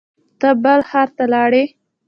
ته بل ښار ته لاړې